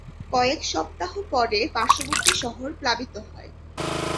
কয়েক সপ্তাহ পরে পার্শ্ববর্তী শহর প্লাবিত হয়।